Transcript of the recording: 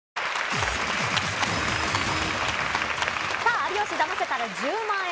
「有吉ダマせたら１０万円」。